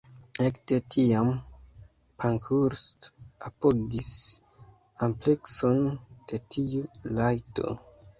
Ekde tiam, Pankhurst apogis amplekson de tiu rajto.